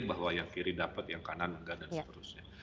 bahwa yang kiri dapat yang kanan enggak dan seterusnya